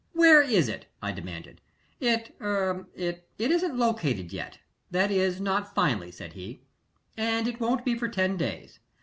"Where is it?" I demanded. "It er it isn't located yet that is, not finally," said he. "And it won't be for ten days.